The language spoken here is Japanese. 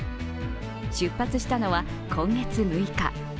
出発したのは今月６日。